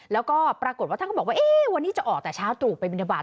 แล้วก็ปรากฏว่าท่านก็บอกว่าวันนี้จะออกแต่เช้าตรู่ไปบินทบาท